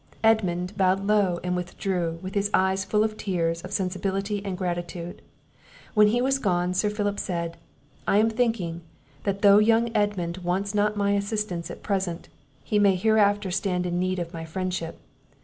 Edmund bowed low, and withdrew, with his eyes full of tears of sensibility and gratitude. When he was gone, Sir Philip said, "I am thinking, that though young Edmund wants not my assistance at present, he may hereafter stand in need of my friendship.